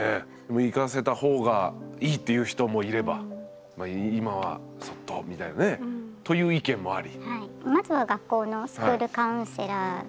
行かせたほうがいいって言う人もいれば今はそっとみたいなねという意見もあり。